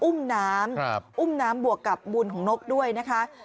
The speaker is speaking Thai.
อุ้มน้ำอุ้มน้ำบวกกับบุญของนกด้วยนะคะ